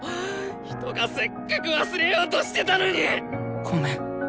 人がせっかく忘れようとしてたのに！ごめん。